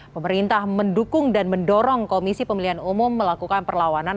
pemerintah mendukung dan mendorong komisi pemilihan umum melakukan perlawanan